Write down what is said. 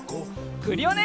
クリオネ！